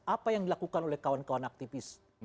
apa yang dilakukan oleh kawan kawan aktivis